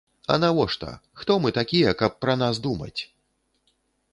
А навошта, хто мы такія, каб пра нас думаць?!